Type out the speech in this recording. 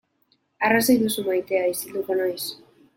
Arrazoi duzu maitea, isilduko naiz.